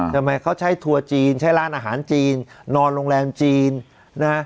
ทำไมเขาใช้ทัวร์จีนใช้ร้านอาหารจีนนอนโรงแรมจีนนะฮะ